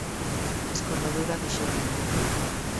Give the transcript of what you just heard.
Escordadura de xeonllo.